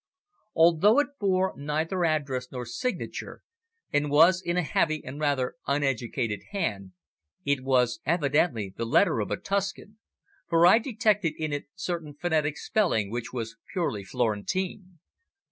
Although it bore neither address nor signature, and was in a heavy and rather uneducated hand, it was evidently the letter of a Tuscan, for I detected in it certain phonetic spelling which was purely Florentine.